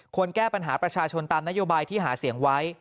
แก้ปัญหาประชาชนตามนโยบายที่หาเสียงไว้